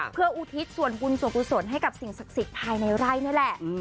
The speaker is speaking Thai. เพื่ออุทิศส่วนบุญส่วนกุศลให้กับสิ่งศักดิ์สิทธิ์ภายในไร่นี่แหละ